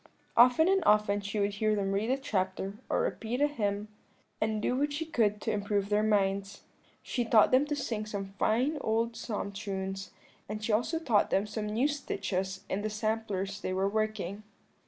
"Often and often she would hear them read a chapter, or repeat a hymn, and do what she could to improve their minds; she taught them to sing some fine old psalm tunes, and she also taught them some new stitches in the samplers they were working.